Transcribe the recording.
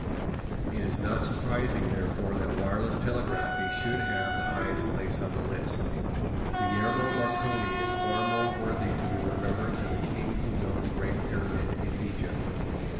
It is not surprising, therefore, that wireless telegraphy should have the highest place on the list. Guglielmo Marconi is far more worthy to be remembered than the king who built the great Pyramid in Egypt.